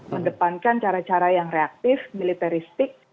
mendepankan cara cara yang reaktif militeristik